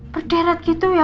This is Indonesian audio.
berderet gitu ya